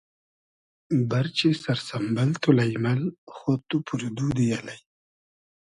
بئرچی سئر سئمبئل تو لݷمئل خۉد تو پور دودی الݷ